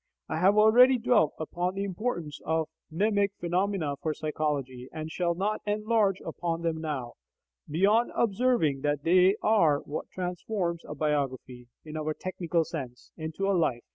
I have already dwelt upon the importance of mnemic phenomena for psychology, and shall not enlarge upon them now, beyond observing that they are what transforms a biography (in our technical sense) into a life.